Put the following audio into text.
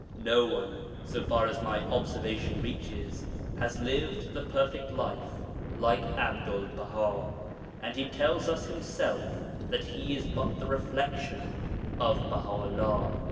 No one, so far as my observation reaches, has lived the perfect life like Abdul Baha, and he tells us himself that he is but the reflexion of Baha 'ullah.